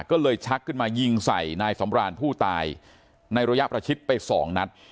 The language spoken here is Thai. ก็เลยชักขึ้นมายิงใส่นายสำรานผู้ตายในระยะประชิดไปสองนัด